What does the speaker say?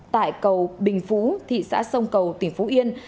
tại cầu bình phú thị xã sông cầu tỉnh phú yên